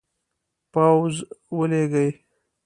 پوځ ولیږي.